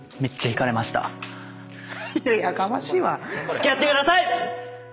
付き合ってください！